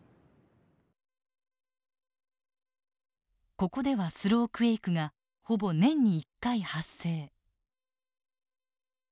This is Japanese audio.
ここではスロークエイクがほぼ年に１回発生。